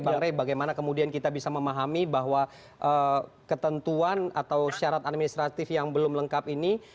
bang rey bagaimana kemudian kita bisa memahami bahwa ketentuan atau syarat administratif yang belum lengkap ini